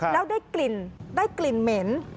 แล้วได้กลิ่นได้กลิ่นเหม็น